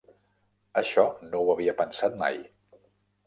Això no ho havia pensat mai.